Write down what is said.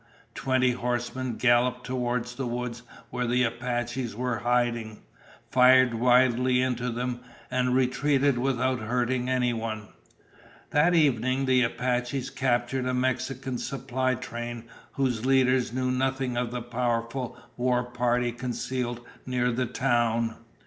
Twenty horsemen galloped toward the woods where the Apaches were hiding, fired wildly into them, and retreated without hurting anyone. That evening the Apaches captured a Mexican supply train whose leaders knew nothing of the powerful war party concealed near the town.